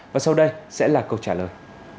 và sau đây sẽ là câu trả lời